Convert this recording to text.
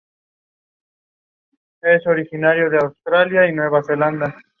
Gracias a eso pude jugar más torneos y ganar más dinero que en Rusia".